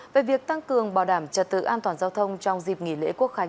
về việc tăng cường bảo đảm trật tự an toàn giao thông trong dịp nghỉ lễ quốc khánh